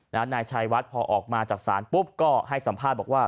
นายชัยวัดพอออกมาจากศาลปุ๊บก็ให้สัมภาษณ์บอกว่า